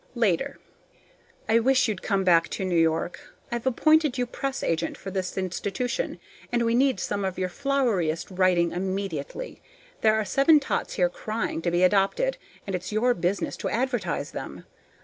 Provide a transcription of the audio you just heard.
LATER. I wish you'd come back to New York. I've appointed you press agent for this institution, and we need some of your floweriest writing immediately. There are seven tots here crying to be adopted, and it's your business to advertise them.